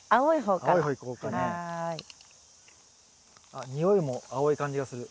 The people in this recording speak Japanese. あっ匂いも青い感じがする。